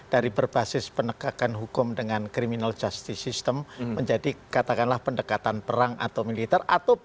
dari berbasis penegakan hukum dengan criminal justice system menjadi katakanlah pendekatan perang atau militer